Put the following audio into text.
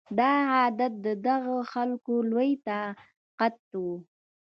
دا عادت د دغه خلکو لوی طاقت و